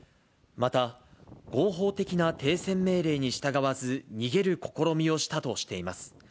また、合法的な停船命令に従わず、逃げる試みをしたとしています。